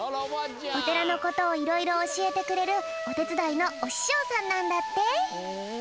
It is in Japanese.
おてらのことをいろいろおしえてくれるおてつだいのおししょうさんなんだって。